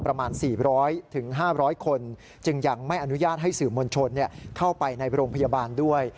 ประมาณ๔๐๐๕๐๐คนจึงยังไม่อนุญาตให้สื่อมวลชนเข้าไปในโรงพยาบาลด้วย